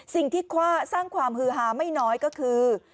สิ่งที่สร้างความฮือฮาไม่น้อยก็คือ